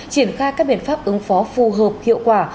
triển khai các biện pháp ứng phó phù hợp hiệu quả